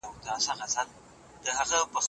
انسان بايد د خپل روح پاکوالي ته پام وکړي.